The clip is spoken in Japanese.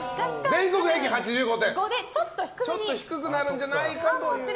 全国平均８５でちょっと低くなるんじゃないかという。